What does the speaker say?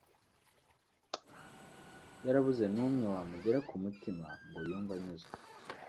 yarabuze n’umwe wamugera ku mutima ngo yumve anyuzwe